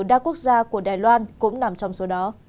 đa quốc gia của đài loan cũng nằm trong số đó